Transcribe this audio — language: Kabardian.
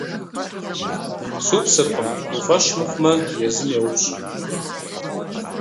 - Супсыркъым. Уи фӏэщ мыхъумэ, езым еупщӏ.